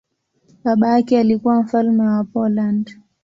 Baba yake alikuwa mfalme wa Poland.